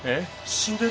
死んでる！？